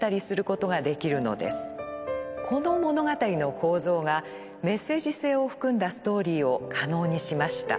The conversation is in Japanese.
この物語の構造がメッセージ性を含んだストーリーを可能にしました。